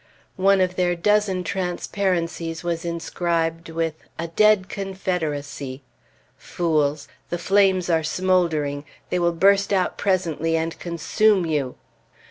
One of their dozen transparencies was inscribed with "A dead Confederacy." Fools! The flames are smouldering! They will burst out presently and consume you!